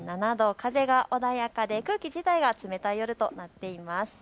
風が穏やかで空気自体は冷たい夜となっています。